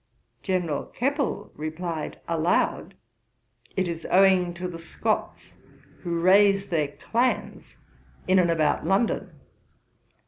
General Keppel replied aloud, "It is owing to the Scots, who raise their clans in and about London."